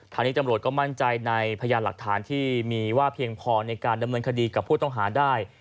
ทางนี้ตำรวจก็มั่นใจในพยานหลักฐานที่มีว่าเพียงพอในการดำเนินคดีกับผู้ต้องหาได้